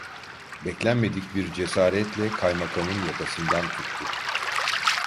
Beklenmedik bir cesaretle kaymakamın yakasından tuttu.